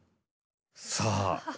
さあ